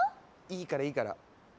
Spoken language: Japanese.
いいからいいから。